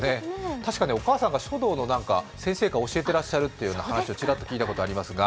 確かお母さんが書道の先生か、教えてらっしゃるという話を聞いたことがあります。